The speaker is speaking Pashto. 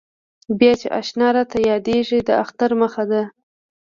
بیا چې اشنا راته یادېږي د اختر مخه ده.